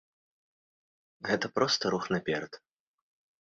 Гэта проста рух наперад.